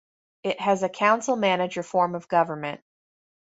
It has a council-manager form of government.